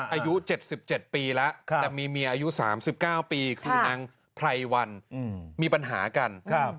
อายุ๗๗ปีแล้วแต่มีเมียอายุ๓๙ปีคือนางไพรวันมีปัญหากัน